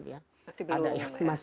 masih belum ya